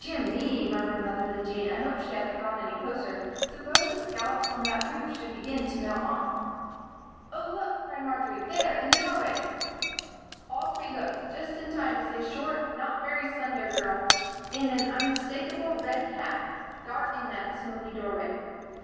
"Dear me!" murmured motherly Jean. "I hope she hasn't gone any closer. Suppose the scallops on that roof should begin to melt off." "Oh, look!" cried Marjory. "There! In the doorway!" All three looked just in time to see a short, not very slender girl in an unmistakable red cap dart in at the smoky doorway.